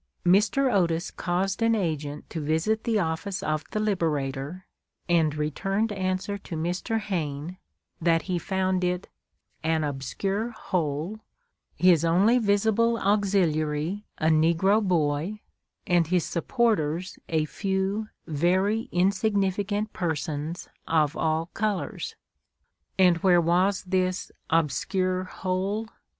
Mr. Otis caused an agent to visit the office of the "Liberator," and returned answer to Mr. Hayne, that he found it "an obscure hole, his only visible auxiliary a negro boy; and his supporters a few very insignificant persons of all colors." And where was this "obscure hole"?